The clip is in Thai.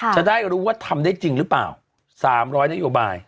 จะได้รู้ว่าทำได้จริงหรือเปล่า๓๐๐นโยบาย